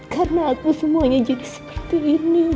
karena aku semuanya jadi seperti ini